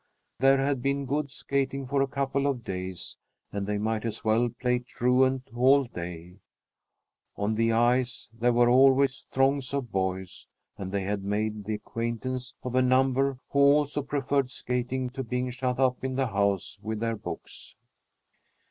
There had been good skating for a couple of days and they might as well play truant all day. On the ice there were always throngs of boys, and they had made the acquaintance of a number who also preferred skating to being shut in the house with their books.